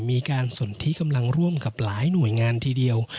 มีการสนที่กำลังร่วมกับหลายหน่วยงานทีเดียว